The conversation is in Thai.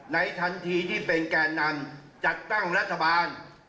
ทันทีที่เป็นแก่นำจัดตั้งรัฐบาล